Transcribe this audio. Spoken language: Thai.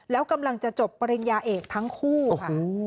แล้วกำลังจะจบปริญญาเอกทั้งคู่ค่ะ